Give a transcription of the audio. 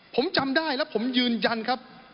ผมจำได้แล้วผมยืนยันครับ